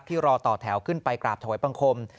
รอต่อแถวขึ้นไปกราบถวายบังคม